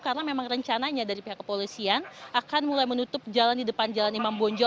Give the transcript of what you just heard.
karena memang rencananya dari pihak kepolisian akan mulai menutup jalan di depan jalan imam bonjol